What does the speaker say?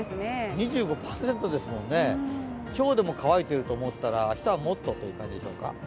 ２５％ですもんね、今日でも乾いてると思ったら明日はもっとという感じでしょうか。